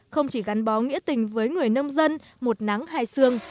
không chỉ gắn bó nghĩa tình với người nông dân một nắng hai sương